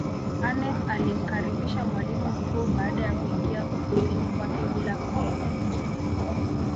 Aneth alimkaribisha mwalimu mkuu baada ya kuingia ofisini kwake bila kugonga